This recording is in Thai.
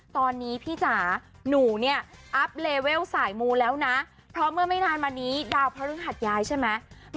ตอนนี้พี่จ๋าหนูเนี่ยอัพเลเวลสายมูแล้วนะเพราะเมื่อไม่นานมานี้ดาวพระฤหัสย้ายใช่ไหม